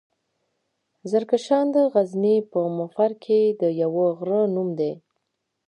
زرکشان دغزني پهمفر کې د يوۀ غرۀ نوم دی.